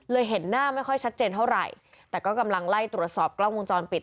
เห็นหน้าไม่ค่อยชัดเจนเท่าไหร่แต่ก็กำลังไล่ตรวจสอบกล้องวงจรปิด